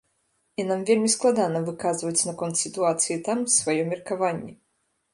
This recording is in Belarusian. І нам вельмі складана выказваць наконт сітуацыі там сваё меркаванне.